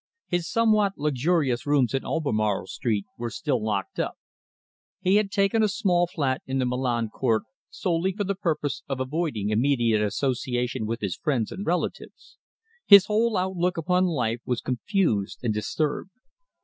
His somewhat luxurious rooms in Albemarle Street were still locked up. He had taken a small flat in the Milan Court, solely for the purpose of avoiding immediate association with his friends and relatives. His whole outlook upon life was confused and disturbed.